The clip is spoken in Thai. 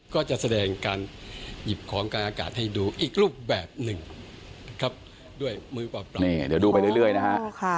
ก็จะแสดงการหยิบของกลางอากาศให้ดูอีกรูปแบบหนึ่งครับด้วยมือเปล่านี่เดี๋ยวดูไปเรื่อยนะฮะ